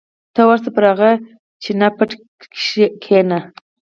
ته ورشه پر هغه چینه پټه کېنه.